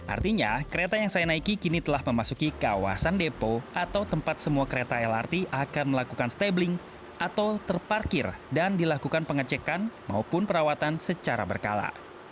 artinya kereta yang saya naiki kini telah memasuki kawasan depo atau tempat semua kereta lrt akan melakukan stabling atau terparkir dan dilakukan pengecekan maupun perawatan secara berkala